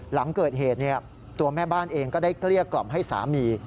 หลังเกิดเหตุตัวแม่บ้านเองก็ได้เกลี้ยกล่อมให้สามี